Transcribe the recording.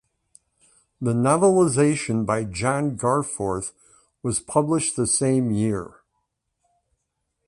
The novelisation by John Garforth was published the same year.